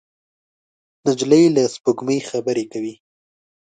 نجلۍ له سپوږمۍ خبرې کوي.